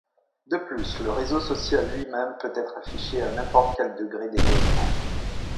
De plus, le réseau social lui-même peut être affiché à n'importe quel degré d'éloignement.